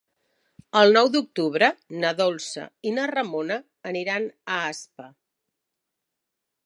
El nou d'octubre na Dolça i na Ramona aniran a Aspa.